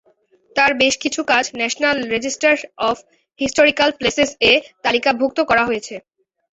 তাঁর বেশ কিছু কাজ ন্যাশনাল রেজিস্টার অফ হিস্টোরিকাল প্লেসেস-এ তালিকাভুক্ত করা হয়েছে।